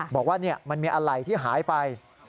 บอกว่ามันมีอะไรที่หายไป